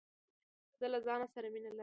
زه له ځانه سره مینه لرم.